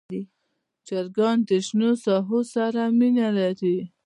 چرګان د شنو ساحو سره مینه لري.